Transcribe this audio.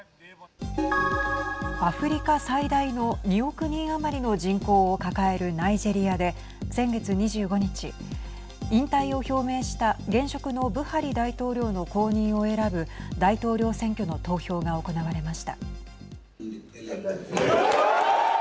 アフリカ最大の２億人余りの人口を抱えるナイジェリアで先月２５日引退を表明した現職のブハリ大統領の後任を選ぶ大統領選挙の投票が行われました。